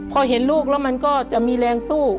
พอเห็นลูกแล้วมันก็จะมีแรงสู้